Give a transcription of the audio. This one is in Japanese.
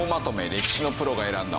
歴史のプロが選んだ！